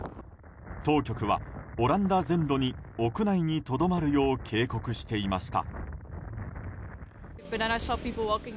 当局はオランダ全土に屋内にとどまるよう警告していました。